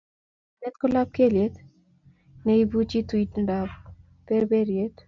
somanet ko lapkeiyet ne ipuchi tuindap perperiet